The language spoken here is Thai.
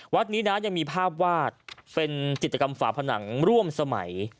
วัดนี้นะยังมีภาพวาดเป็นจิตกรรมฝาผนังร่วมสมัย